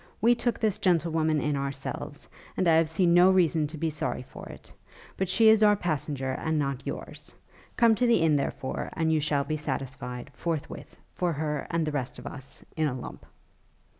we took this gentlewoman in ourselves; and I have seen no reason to be sorry for it: but she is our passenger, and not your's. Come to the inn, therefore, and you shall be satisfied, forthwith, for her and the rest of us, in a lump.'